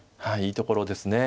はいいいところです。